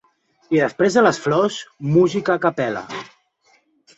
I després de les flors, música ‘a capella’